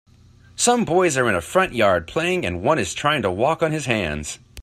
Some boys are in a front yard playing and one is trying to walk on his hands.